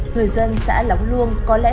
người dân xã lóng luông có lẽ